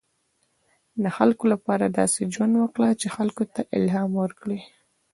• د خلکو لپاره داسې ژوند وکړه، چې هغوی ته الهام ورکړې.